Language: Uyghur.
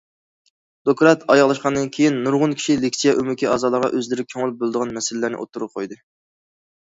دوكلات ئاياغلاشقاندىن كېيىن، نۇرغۇن كىشى لېكسىيە ئۆمىكى ئەزالىرىغا ئۆزلىرى كۆڭۈل بۆلىدىغان مەسىلىلەرنى ئوتتۇرىغا قويدى.